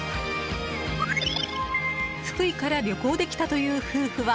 福井から旅行で来たという夫婦は